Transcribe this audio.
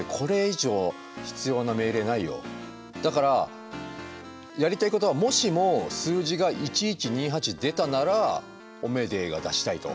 だからやりたいことはもしも数字が１１２８出たなら「おめでー」が出したいと。